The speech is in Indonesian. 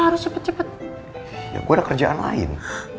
lo ada kerjaan lain